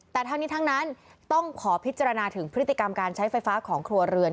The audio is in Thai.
แต่ทั้งนี้ทั้งนั้นต้องขอพิจารณาถึงพฤติกรรมการใช้ไฟฟ้าของครัวเรือน